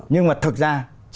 nhưng mà thực ra